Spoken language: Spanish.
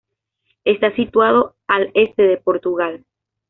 Está situado al S de Portugal.